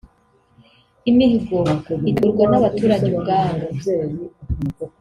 imihigo itegurwa n’abaturage ubwabo